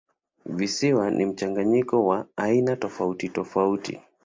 Visiwa ni mchanganyiko wa aina tofautitofauti.